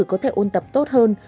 có thể ôn tập tốt hơn